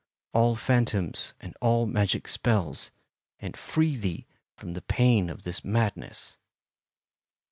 all phantoms and all magic spells, and free thee from the pain of this madness."